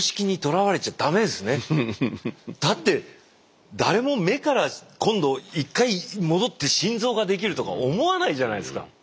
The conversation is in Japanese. だって誰も目から今度一回戻って心臓ができるとか思わないじゃないですか。